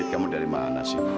kamu dari mana sih